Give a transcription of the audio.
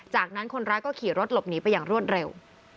จากนั้นคนร้ายก็ขี่รถหลบหนีไปอย่างรวดเร็ว